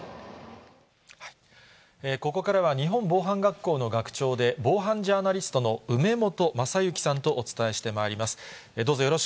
ここからは、日本防犯学校の学長で、防犯ジャーナリストの梅本正行さんとお伝えしてまいります。